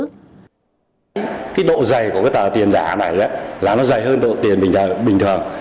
cái độ dày của cái tờ tiền giả này là nó dày hơn độ tiền bình thường